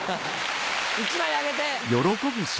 １枚あげて。